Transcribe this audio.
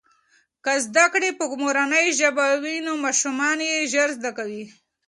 که زده کړې په مورنۍ ژبه وي نو ماشومان یې ژر زده کوي.